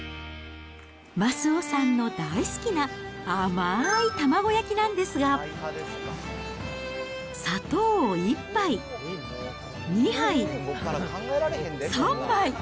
益男さんの大好きな甘い卵焼きなんですが、砂糖を１杯、２杯、３杯。